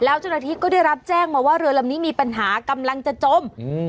แล้วเจ้าหน้าที่ก็ได้รับแจ้งมาว่าเรือลำนี้มีปัญหากำลังจะจมอืม